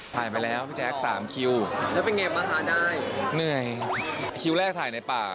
ผ่านไปแล้วพี่แจ๊คสามคิวแล้วเป็นไงบ้างคะได้เหนื่อยคิวแรกถ่ายในป่า